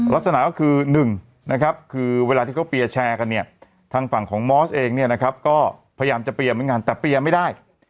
ลักษณะก็คือ๑นะครับคือเวลาที่เขาเปียร์แชร์กันเนี่ยทางฝั่งของมอสเองเนี่ยนะครับก็พยายามจะเปรียร์เหมือนกันแต่เปรียร์ไม่ได้